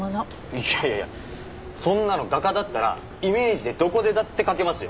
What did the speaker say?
いやいやそんなの画家だったらイメージでどこでだって描けますよ？